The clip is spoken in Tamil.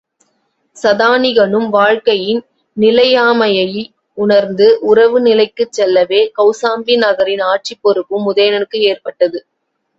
சதானிகனும் வாழ்க்கையின் நிலையாமையை உணர்ந்து துறவு நிலைக்குச் செல்லவே, கௌசாம்பி நகரின் ஆட்சிப் பொறுப்பும் உதயணனுக்கு ஏற்பட்டது.